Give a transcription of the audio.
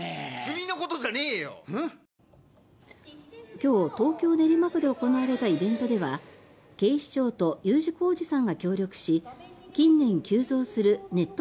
今日、東京・練馬区で行われたイベントでは警視庁とＵ字工事さんが協力し近年急増するネット